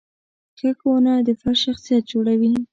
ښه ښوونه د فرد شخصیت جوړوي.